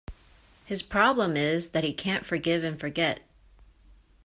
His problem is that he can't forgive and forget